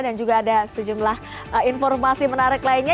dan juga ada sejumlah informasi menarik lainnya